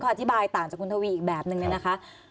อธิบายต่างจากคุณทวีอีกแบบนึงเนี่ยนะคะ